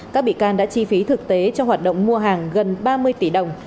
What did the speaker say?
các bị can đã chi phí thực tế cho hoạt động mua hàng gần ba mươi tỷ đồng